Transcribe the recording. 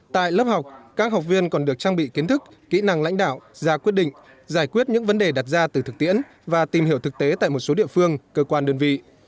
tại lớp học các học viên còn được trang bị kiến thức kỹ năng lãnh đạo ra quyết định giải quyết những vấn đề đặt ra từ thực tiễn và tìm hiểu thực tế tại một số địa phương cơ quan đơn vị